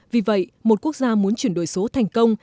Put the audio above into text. vì vậy một quốc gia muốn chuyển đổi số thành công